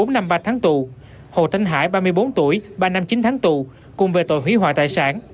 bốn năm ba tháng tù hồ thanh hải ba mươi bốn tuổi ba năm chín tháng tù cùng về tội hủy hoại tài sản